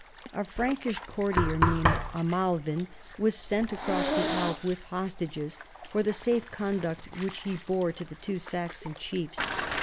A Frank ish courtier named Amalwin was sent across the Elbe with hostages for the safe conduct which he bore to the two Saxon chiefs.